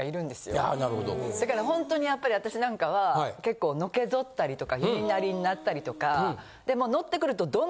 ホントにやっぱり私なんかは結構のけ反ったり弓なりになったりとか。